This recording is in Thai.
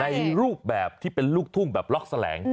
ในรูปแบบที่เป็นลูกทุ่งแบบล็อกแลง